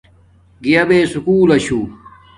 گیا بے سکُول لشو